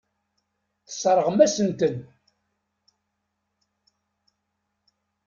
Tesseṛɣem-asen-ten.